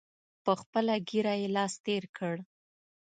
په خپله ږیره یې لاس تېر کړ.